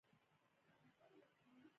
حل لاره ناستې دي.